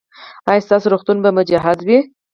ایا ستاسو روغتون به مجهز وي؟